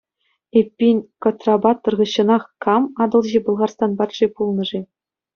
Эппин, Кӑтра-паттӑр хыҫҫӑнах кам Атӑлҫи Пӑлхарстан патши пулнӑ-ши?